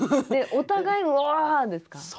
お互いうわですか？